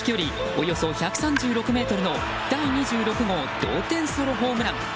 およそ１３６ｍの第２６号同点ソロホームラン。